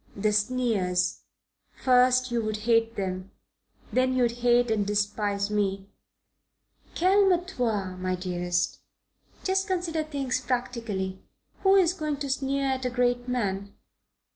"The sneers. First you'd hate them. Then you'd hate and despise me." She grew serious. "Calme toi, my dearest. Just consider things practically. Who is going to sneer at a great man?"